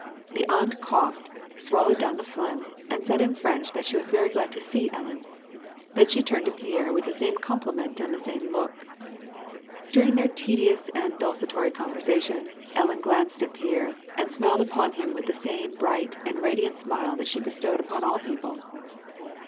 The aunt coughed, swallowed down the jihlegm, and sjiid in French that she was very glad to see Ellen ; then she turned to Pierre with the same com])liment and the same look. Ihir ing their tedious and desultory conversation, Ellen glanced at Pierre, and smiled upon him with the same bright and radiant smile that she bestowed upon all people.